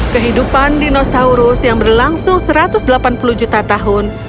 kehidupan dinosaurus yang berlangsung satu ratus delapan puluh juta tahun